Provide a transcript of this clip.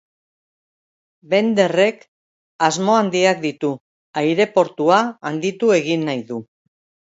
Bender-ek asmo handiak ditu; aireportua handitu egin nahi du.